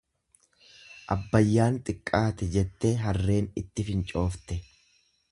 Abbayyaan xiqqaate jettee harreen itti fincoofte.